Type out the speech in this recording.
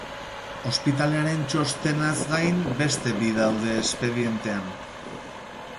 Ospitalearen txostenaz gain, beste bi daude espedientean.